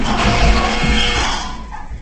تك سپين زړګي ته دي